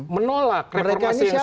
menolak reformasi yang sedang di dalam